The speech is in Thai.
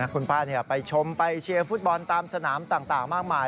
คุณป้าไปชมไปเชียร์ฟุตบอลตามสนามต่างมากมาย